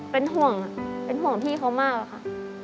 เป็นห่วงเป็นห่วงพี่เขามากอะค่ะ